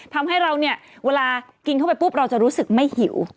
ทำให้เราเนี่ยเวลากินเข้าไปปุ๊บเราจะรู้สึกไม่หิว